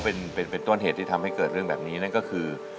เป็นต้นเหตุที่ทำให้เกิดเรื่องแบบนี้นั่นก็คือ